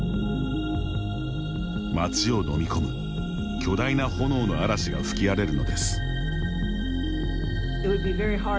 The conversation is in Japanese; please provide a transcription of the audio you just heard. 街を飲み込む、巨大な炎の嵐が吹き荒れるのです。